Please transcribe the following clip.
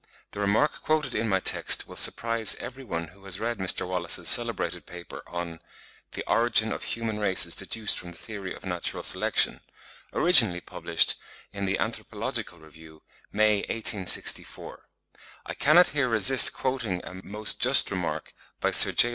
The remark quoted in my text will surprise every one who has read Mr. Wallace's celebrated paper on 'The Origin of Human Races Deduced from the Theory of Natural Selection,' originally published in the 'Anthropological Review,' May 1864, p. clviii. I cannot here resist quoting a most just remark by Sir J.